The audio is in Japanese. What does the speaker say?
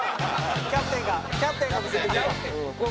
キャプテンがキャプテンが見せてくれる。